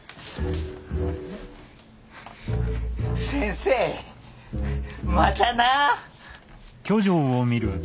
先生またな。